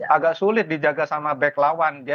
agak sulit dijaga sama back lawan